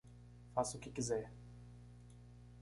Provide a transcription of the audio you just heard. Faça o que quiser.